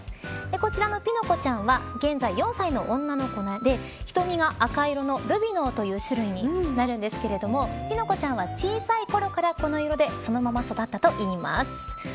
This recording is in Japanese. こちらのピノコちゃんは現在４歳の女の子で瞳が赤色のルビノーという種類になるんですがピノコちゃんは小さいころからこの色でそのまま育ったといいます。